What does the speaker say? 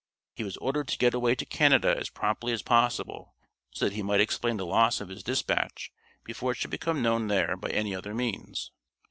He was ordered to get away to Canada as promptly as possible, so that he might explain the loss of his dispatch before it should become known there by any other means.